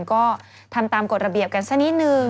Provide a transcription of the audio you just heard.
ก็ทำตามกฎระเบียบกันสักนิดนึง